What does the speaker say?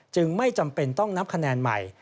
ไม่จำเป็นต้องนับคะแนนใหม่